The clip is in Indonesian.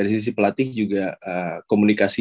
sisi pelatih juga komunikasi